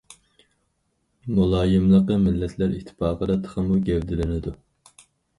مۇلايىملىقى مىللەتلەر ئىتتىپاقلىقىدا تېخىمۇ گەۋدىلىنىدۇ.